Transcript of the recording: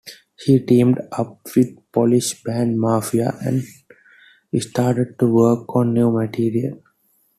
She teamed up with Polish band Mafia and started to work on new material.